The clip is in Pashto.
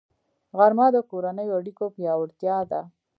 غرمه د کورنیو اړیکو پیاوړتیا ده